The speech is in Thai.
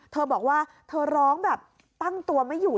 เธอบอกว่าเธอร้องแบบตั้งตัวไม่อยู่